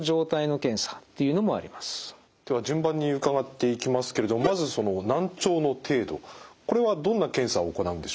では順番に伺っていきますけれどもまずその難聴の程度これはどんな検査を行うんでしょうか？